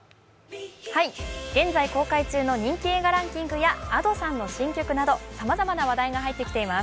現在公開中の人気映画ランキングやＡｄｏさんの新曲などさまざまな話題が入ってきています。